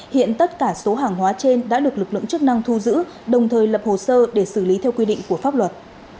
hiện tất cả số hàng hóa trên đã được lực lượng chức năng thu giữ đồng thời lập hồ sơ để xử lý theo quy định của pháp luật